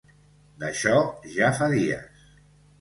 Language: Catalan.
D'això ja fa dies.